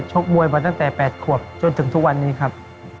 ชกมวยมาตั้งแต่๘ขวบจนถึงทุกวันนี้ครับ